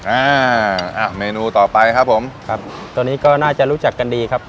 อ้าวเมนูต่อไปครับผมตอนนี้ก็น่าจะรู้จักกันดีครับ